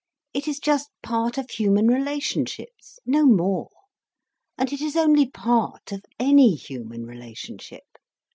It is just part of human relationships, no more. And it is only part of any human relationship.